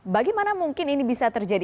bagaimana mungkin ini bisa terjadi